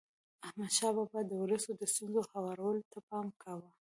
احمدشاه بابا د ولس د ستونزو هوارولو ته پام کاوه.